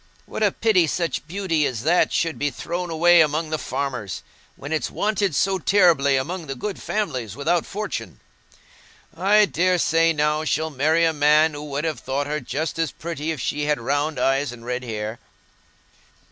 What a pity such beauty as that should be thrown away among the farmers, when it's wanted so terribly among the good families without fortune! I daresay, now, she'll marry a man who would have thought her just as pretty if she had had round eyes and red hair."